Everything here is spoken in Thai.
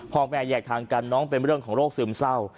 พ่อแม่แยกทางกันน้องเป็นเรื่องของโรคซึมเศร้า